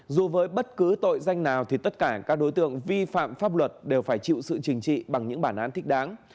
dù với bất cứ tội danh nào thì tất cả các đối tượng vi phạm pháp luật đều phải chịu sự trình trị bằng những bản án thích đáng